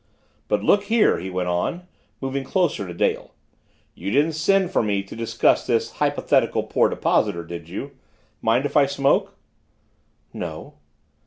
"But look here," he went on, moving closer to Dale, "you didn't send for me to discuss this hypothetical poor depositor, did you? Mind if I smoke?" "No."